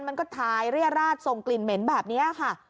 มันก็ทายเรียราชส่งกลิ่นเหม็นแบบนี้ค่ะ